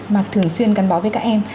mà thường xuyên gắn bó với các em